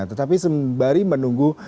tetapi sembari menunggu